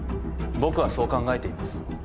僕はそう考えています。